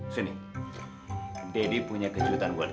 sini daddy punya kejutan buatmu